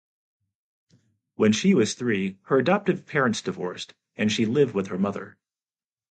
When she was three, her adoptive parents divorced, and she lived with her mother.